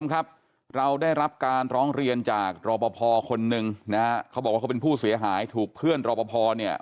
ครับเราได้รับการร้องเรียนจากรอปภคนหนึ่งนะฮะเขาบอกว่าเขาเป็นผู้เสียหายถูกเพื่อนรอปภเนี่ย